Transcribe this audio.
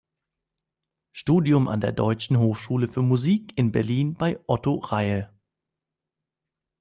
Studium an der Deutschen Hochschule für Musik in Berlin bei Otto Reil.